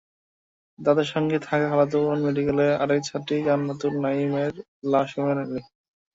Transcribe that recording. তাঁদের সঙ্গে থাকা খালাতো বোন মেডিকেলের আরেক ছাত্রী জান্নাতুল নাঈমের লাশও মেলেনি।